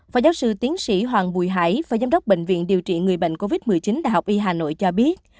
phó giáo sư tiến sĩ hoàng bùi hải phó giám đốc bệnh viện điều trị người bệnh covid một mươi chín đại học y hà nội cho biết